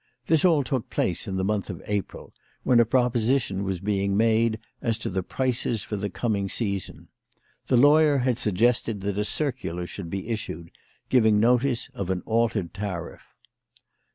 This all took place in the month of April, when a proposition was being made as to the prices for the coming season. The lawyer had suggested that a circular should be issued, giving notice of an altered tariff.